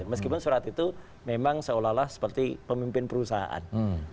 meskipun surat itu memang seolah olah seperti pemimpin perusahaan